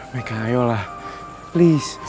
meka ayolah please